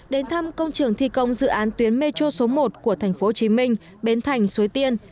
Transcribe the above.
đến thăm công trường thi công dự án tuyến metro số một của tp hcm bến thành suối tiên